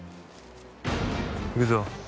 行くぞ。